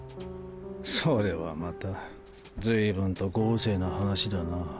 それはまた随分と豪勢な話だな。